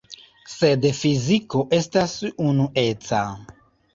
Sed fiziko estas unueca.